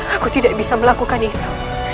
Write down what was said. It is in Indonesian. aku tidak bisa melakukan itu